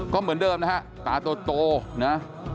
ก็เหมือนเดิมนะฮะตาโตนะ